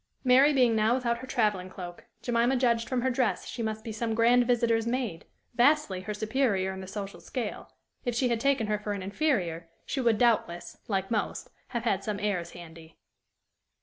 Mary being now without her traveling cloak, Jemima judged from her dress she must be some grand visitor's maid, vastly her superior in the social scale: if she had taken her for an inferior, she would doubtless, like most, have had some airs handy.